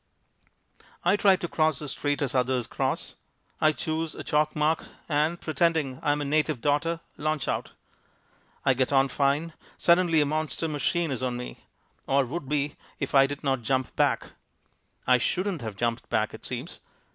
I try to cross the street as others cross. I choose a chalk mark and, pretending I am a native daughter, launch out. I get on fine suddenly a monster machine is on me. Or would be if I did not jump back. I shouldn't have jumped back it seems.